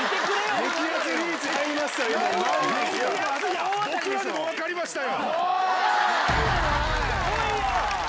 僕らでも分かりましたよ。